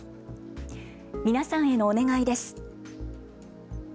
皆さんへのお願いです。